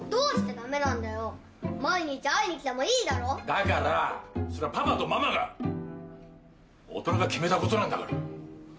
だからそれはパパとママが大人が決めた事なんだから。